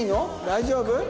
大丈夫？